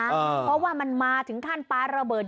เพราะว่ามันมาถึงขั้นปลาระเบิด